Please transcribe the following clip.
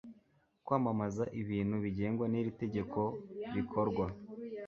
kwamamaza ibintu bigengwa n iri tegeko bikorwa